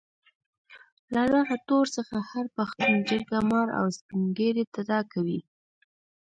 له دغه تور څخه هر پښتون جرګه مار او سپين ږيري ډډه کوي.